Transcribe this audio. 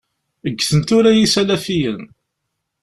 Ggten tura Yisalifiyen.